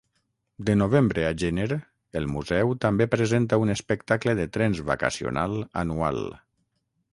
De novembre a gener, el museu també presenta un espectacle de trens vacacional anual.